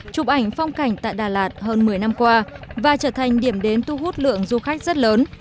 chụp ảnh phong cảnh tại đà lạt hơn một mươi năm qua và trở thành điểm đến thu hút lượng du khách rất lớn